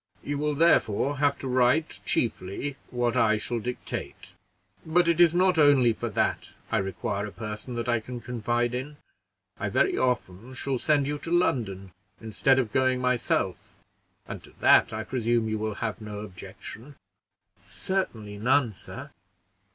You will therefore have to write chiefly what I shall dictate; but it is not only for that I require a person that I can confide in. I very often shall send you to London instead of going myself, and to that I presume you will have no objection!" "Certainly none, sir."